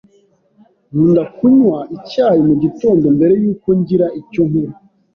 Nkunda kunywa icyayi mugitondo mbere yuko ngira icyo nkora.